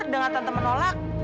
dengan tante menolak